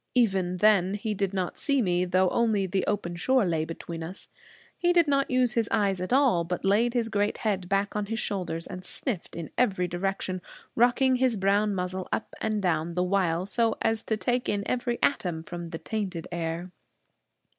Even then he did not see me, though only the open shore lay between us. He did not use his eyes at all, but laid his great head back on his shoulders and sniffed in every direction, rocking his brown muzzle up and down the while, so as to take in every atom from the tainted air.